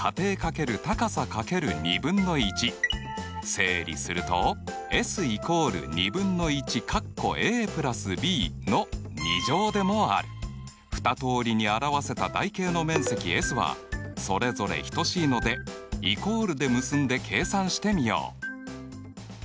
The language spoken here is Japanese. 整理すると２通りに表せた台形の面積Ｓはそれぞれ等しいのでイコールで結んで計算してみよう。